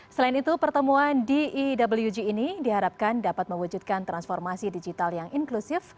selain itu pertemuan dewg ini diharapkan dapat mewujudkan transformasi digital yang inklusif